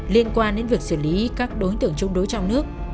liên quan đến việc xử lý các đối tượng chống đối trong nước